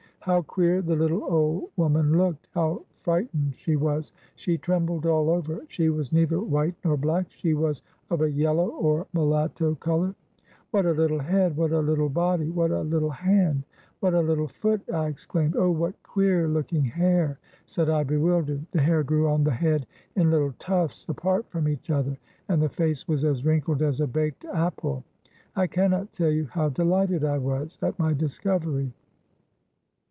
How queer the little old woman looked ! How fright ened she was! she trembled all over. She was neither white nor black ; she was of a yellow, or mulatto color. "What a little head! what a httle body ! what a httle hand ! what a little foot! " I exclaimed. " Oh, what queer looking hair!" said I, bewildered. The hair grew on the head in little tufts apart from each other, and the face was as wrinkled as a baked apple. I cannot tell you how dehghted I was at my discovery.